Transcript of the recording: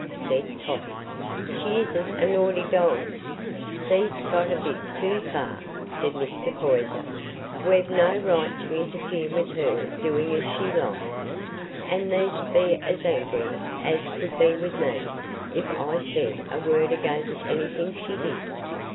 said Totty. "She isn't a naughty dell." "Thee'st gone a bit too fur," said Mr. Poyser. "We've no right t' interfere with her doing as she likes. An' thee'dst be as angry as could be wi' me, if I said a word against anything she did."